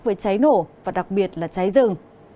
với cháy nổ và đặc biệt là cháy rừng